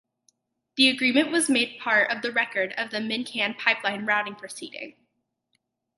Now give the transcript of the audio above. This agreement was made part of the record of the MinnCan pipeline routing proceeding.